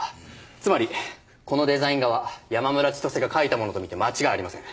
つまりこのデザイン画は山村千歳が描いたものと見て間違いありません。